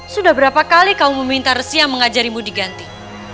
sudah berapa kali kamu meminta resi yang mengajarimu diganti